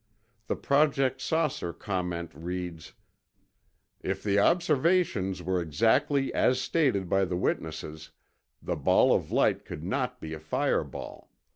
The Project "Saucer" comment reads: "If the observations were exactly as stated by the witnesses, the ball of light could not be a fireball.